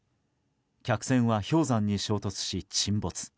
客船は氷山に衝突し、沈没。